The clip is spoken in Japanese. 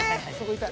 痛い！